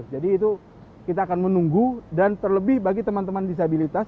jadi itu kita akan menunggu dan terlebih bagi teman teman disabilitas